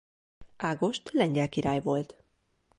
Ágost lengyel király volt.